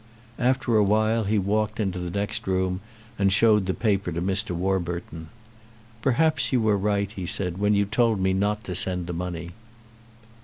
After a while he walked into the next room and showed the paper to Mr. Warburton. "Perhaps you were right," he said, "when you told me not to send that money."